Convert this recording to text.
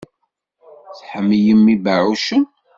Tḥemmlem ibeɛɛucen?